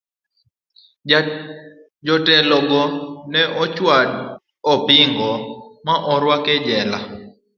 Jotelo go ne ochwad opingo ma orwak e jela.